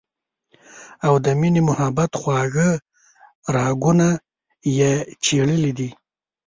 او د مينې محبت خواږۀ راګونه ئې چېړلي دي